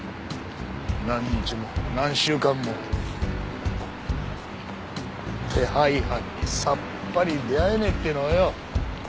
何日も何週間も手配犯にさっぱり出会えねえっていうのはよ。